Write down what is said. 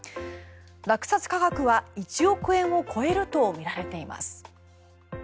落札価格は１億円を超えるとみられています。